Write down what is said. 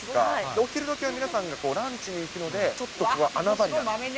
お昼どきは皆さんがランチに行くので、ちょっとここが穴場になる。